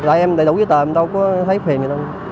tại em đầy đủ với tờ mình đâu có thấy phiền